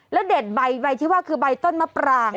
แล้วเด็ดใบที่ว่าคือใบต้นมะปราง